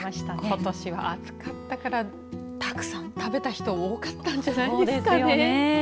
ことしは暑かったからたくさん食べた人も多かったんじゃないですかね。